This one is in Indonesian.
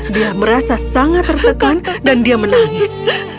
dia merasa sangat tertekan dan dia menangis